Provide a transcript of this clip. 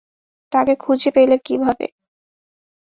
তাকে খুঁজে পেলে কীভাবে?